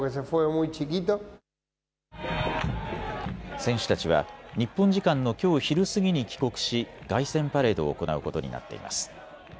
選手たちは日本時間のきょう昼過ぎに帰国し凱旋パレードを行うことになっています。